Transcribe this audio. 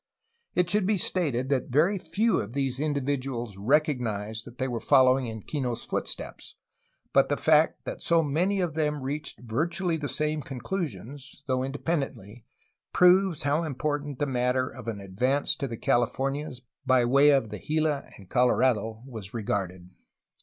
It should be stated that very few of these individuals recognized that they were following in Kino's footsteps, but the fact that so many of them reached virtually the same conclusions, though independently, proves how important the matter of an advance to the Californias by way of the Gila and Colo rado was regarded.